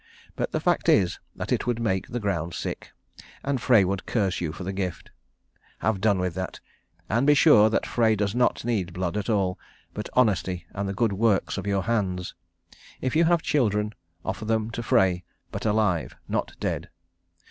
But the fact is that it would make the ground sick, and Frey would curse you for the gift. Have done with that, and be sure that Frey does not need blood at all, but honesty and the good works of your hands. If you have children, offer them to Frey, but alive, not dead.